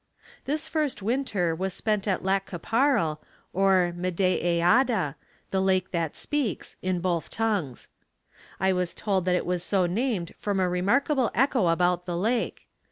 This first winter was spent at Lac qui Parle, or Medeiadam, (med day e a da) "The lake that speaks," in both tongues. I was told that it was so named from a remarkable echo about the lake.